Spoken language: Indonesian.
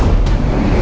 aku harus selalu membuat